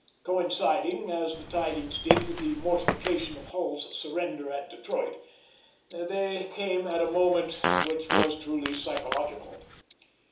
Coinciding as the tidings did with the mortification of Hull's surrender at Detroit, they came at a moment which was truly psychological.